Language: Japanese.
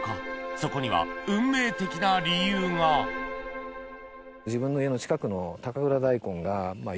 そこには運命的な理由が自分の。